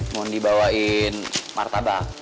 mohon dibawain martabak